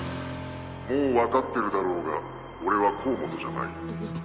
もうわかってるだろうが俺は甲本じゃない。